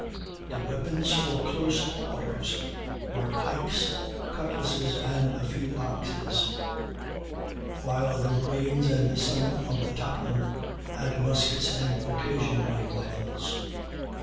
The weapons for close quarters were pikes, cutlasses, and a few axes; while the marines and some of the topmen had muskets, and occasionally rifles.